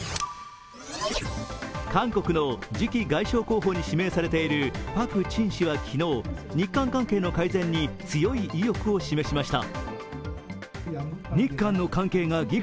韓国の次期外相候補に指名されているパク・チン氏は昨日、日韓関係の改善に強い意欲を示しました。